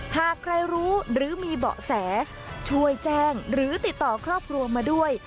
หากใครรู้หรือมีเบาะแสช่วยแจ้งหรือติดต่อครอบครัวมาด้วย